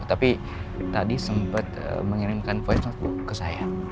tapi tadi sempat mengirimkan voice note ke saya